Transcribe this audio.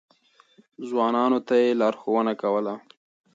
ځوانانو ته يې لارښوونه کوله.